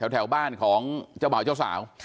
แถวบ้านของเจ้าบ่าวเจ้าสาว